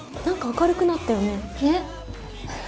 何か明るくなったよね？